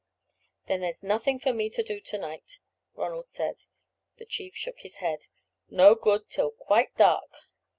"Then there's nothing for me to do to night," Ronald said. The chief shook his head. "No good till quite dark."